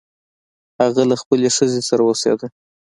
هغه له خپلې ښځې سره اوسیده.